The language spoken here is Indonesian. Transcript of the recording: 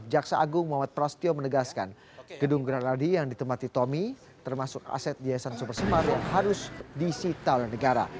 jaksa agung mohd prostio menegaskan gedung granadi yang ditemati tommy termasuk aset yayasan supersemar harus di sita oleh negara